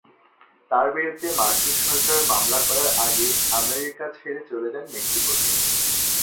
তার বিরুদ্ধে মার্কিন সরকার মামলা করার আগেই আমেরিকা ছেড়ে চলে যান মেক্সিকোতে।